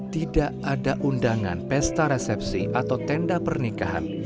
tidak ada undangan pesta resepsi atau tenda pernikahan